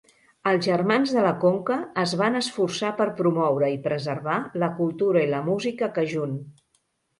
Els germans de la conca es van esforçar per promoure i preservar la cultura i la música Cajun.